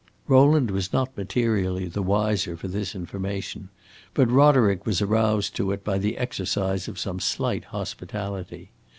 Rowland was not materially the wiser for this information, but Roderick was aroused by it to the exercise of some slight hospitality.